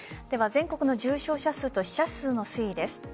では全国の重症者数と死者数の推移です。